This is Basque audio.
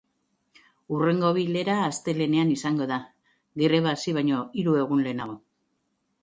Hurrengo bilera astelehenean izango da, greba hasi baino hiru egun lehenago.